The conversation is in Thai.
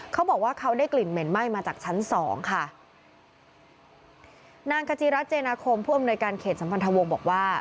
เขาบอกว่าเขาได้กลิ่นเหม็นไหม้มาจากชั้นสองค่ะนางกจิรัตเจนาคมผู้อำนวยการเขตสัมพันธวงศ์บอกว่า